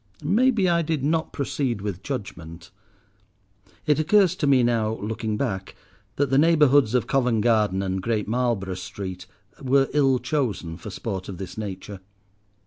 Maybe I did not proceed with judgment. It occurs to me now, looking back, that the neighbourhoods of Covent Garden and Great Marlborough Street were ill chosen for sport of this nature.